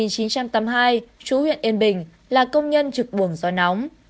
chú huyện yên bình là công nhân trực buồng gió nóng